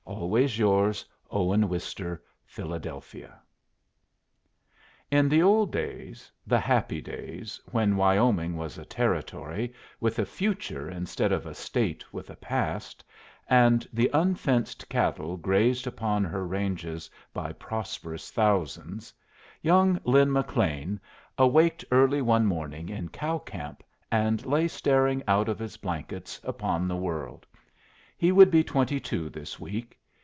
Always yours, OWEN WISTER Philadelphia, 1897 HOW LIN McLEAN WENT EAST In the old days, the happy days, when Wyoming was a Territory with a future instead of a State with a past, and the unfenced cattle grazed upon her ranges by prosperous thousands, young Lin McLean awaked early one morning in cow camp, and lay staring out of his blankets upon the world. He would be twenty two this week.